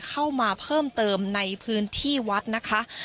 เข้ามาเพิ่มเติมในพื้นที่วัดนะคะ